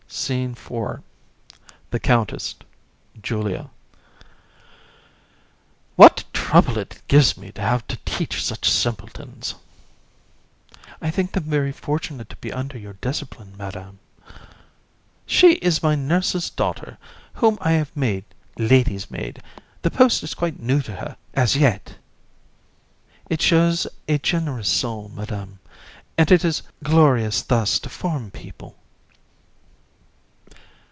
SCENE IV. THE COUNTESS, JULIA. COUN. What trouble it gives me to have to teach such simpletons. JU. I think them very fortunate to be under your discipline, Madam. COUN. She is my nurse's daughter, whom I have made lady's maid; the post is quite new to her, as yet. JU. It shows a generous soul, Madam, and it is glorious thus to form people.